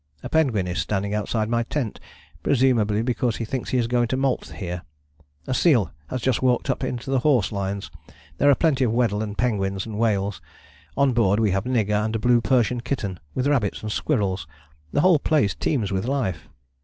A penguin is standing outside my tent, presumably because he thinks he is going to moult here. A seal has just walked up into the horse lines there are plenty of Weddell and penguins and whales. On board we have Nigger and a blue Persian kitten, with rabbits and squirrels. The whole place teems with life.